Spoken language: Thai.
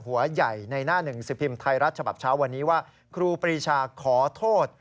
ว่าครูปริชาขอโทษ